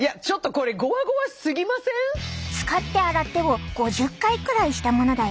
使って洗ってを５０回くらいしたものだよ。